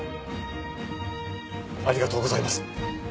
ありがとうございます。